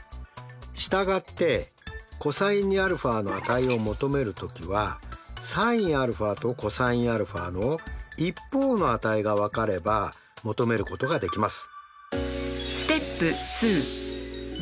従ってｃｏｓ２αの値を求める時はｓｉｎαとｃｏｓαの一方の値が分かれば求めることができます。